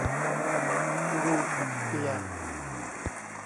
รูเปียห์